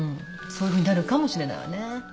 そういうふうになるかもしれないわね